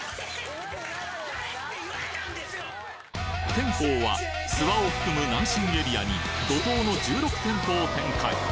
テンホウは諏訪を含む南信エリアに怒涛の１６店舗を展開